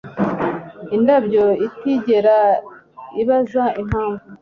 indabyo itigera ibaza impamvu